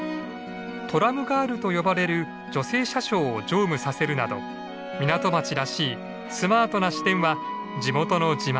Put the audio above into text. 「トラムガール」と呼ばれる女性車掌を乗務させるなど港町らしいスマートな市電は地元の自慢でした。